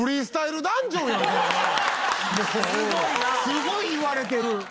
すごい言われてる。